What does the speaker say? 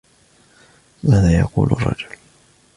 ماذا يقول الرجل ؟